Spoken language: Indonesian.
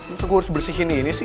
maksudnya gue harus bersihin ini sih